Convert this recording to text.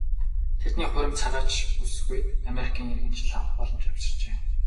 Тэдний хурим цагаач бүсгүйд Америкийн иргэншил авах боломж авчирчээ.